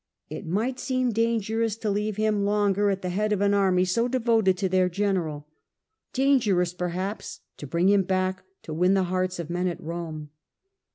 It might seem dangerous to leave him longer at the head who w. is of an army so devoted to their general — from'Str dangerous perhaps to bring him back to rruiny, win the hearts of men at Rome.